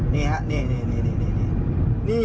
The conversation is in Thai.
นี่ค่ะนี่แหนะนี่นี่